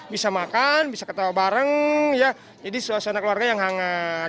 bisa makan bisa ketawa bareng ya jadi suasana keluarga yang hangat